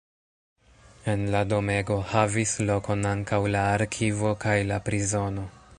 En la domego havis lokon ankaŭ la arkivo kaj la prizono.